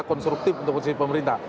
konstruktif untuk kekuasaan pemerintah